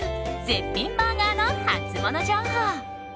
絶品バーガーのハツモノ情報。